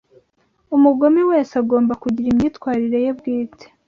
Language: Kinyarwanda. Umugome wese agomba kugira imyitwarire ye bwite